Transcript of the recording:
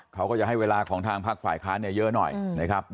เขาก็จะให้เวลาของทางภาคฝ่ายค้านเยอะหน่อยนะครับ